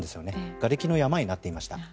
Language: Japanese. がれきの山になっていました。